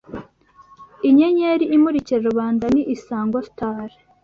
Inyenyeri imurikira rubanda ni isango sitari